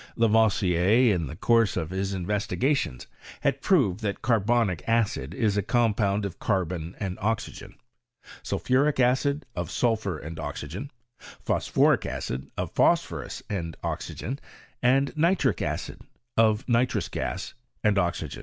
Lavoisier, in the course of his investigations, had proved that carbonic acid is a compound of carbon and oxygen; sulphuric acid, of sulphur and oxygen; phosphoric acid, of phosphorus and oxygen ; and nitric acid, of nitrous gas and oxygen.